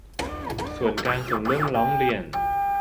ส่วนการส่งเรื่องร้องเรียน